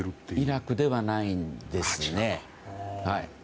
イラクではないんですね。